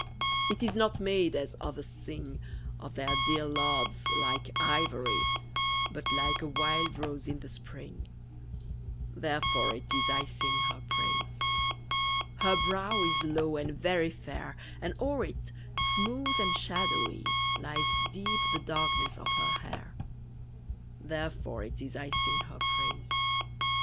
_ It is not made, as others sing Of their dear loves, like ivory, But like a wild rose in the spring: Therefore it is I sing her praise. Her brow is low and very fair, And o'er it, smooth and shadowy, Lies deep the darkness of her hair: _Therefore it is I sing her praise.